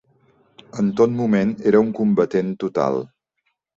En tot moment era un combatent total.